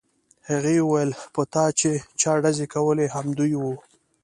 هغې وویل په تا چې چا ډزې کولې همدی و